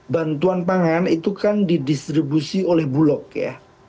bantuan pangan itu kan didistribusi oleh bulog ya